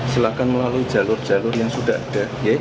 silahkan melalui jalur jalur yang sudah ada